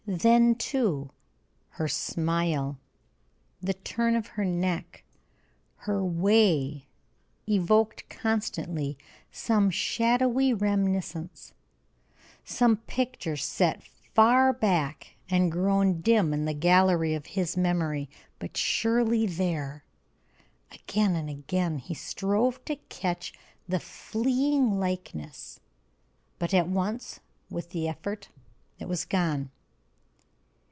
Then, too, her smile, the turn of her neck, her way evoked constantly some shadowy reminiscence, some picture set far back and grown dim in the gallery of his memory, but surely there. Again and again he strove to catch the fleeing likeness, but at once, with the effort, it was gone.